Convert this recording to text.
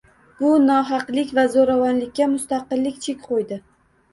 Bu nohaqlik va zo‘ravonlikka mustaqillik chek qo‘ydi